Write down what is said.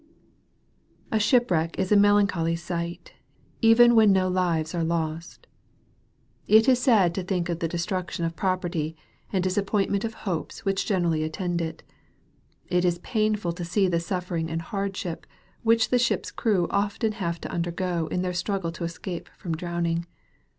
A SHIPWRECK is a melancholy sight, even when no lives are lost. It is sad to think of the destruction of property, and disappointment of hopes which generally attend it. It is painful to see the suffering and hardship, which the ship's crew often have to undergo in their struggle to escape from drowning.